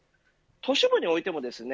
都市部においてもですね